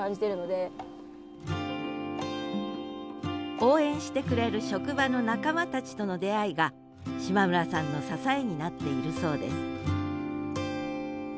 応援してくれる職場の仲間たちとの出会いが島村さんの支えになっているそうです